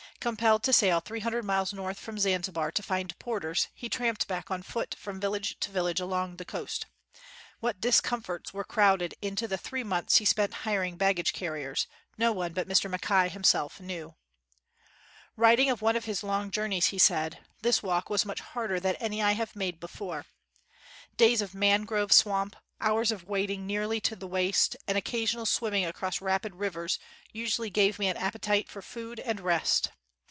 Compelled to sail three hundred miles north from Zanzi bar to find porters, he tramped back on foot from village to village along the coast. What discomforts were crowded into the three months he spent hiring baggage car riers, no one but Mr. Mackay himself knew ! Writing of one of his long journeys, he said: "This walk was much harder than any I have made before. Days of man grove swamp, hours of wading nearly to the waist, and occasional swimming across rapid 50 JUNGLE ROADS AND OX CARTS rivers usually gave me an appetite for food and rest.